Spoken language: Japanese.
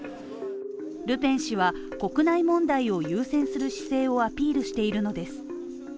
ルペン氏は国内問題を優先する姿勢をアピールしているのです。